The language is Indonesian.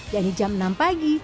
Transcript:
dari jam enam pagi